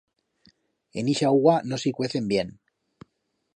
En ixa augua no se i cuecen bien.